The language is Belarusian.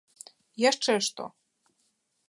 - Яшчэ што?